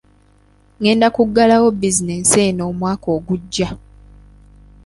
Ngenda kuggalawo bizinensi eno omwaka ogujja.